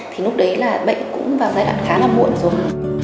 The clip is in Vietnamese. thì lúc đấy là bệnh cũng vào giai đoạn khá là muộn rồi